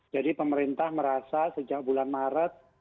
jadi pemerintah merasa sejak bulan maret